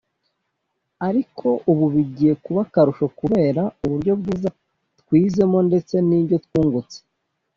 ariko ubu bigiye kuba akarusho kubera uburyo bwiza twizemo ndetse n’ibyo twungutse